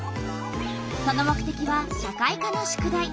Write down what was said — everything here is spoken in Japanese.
その目てきは社会科の宿題。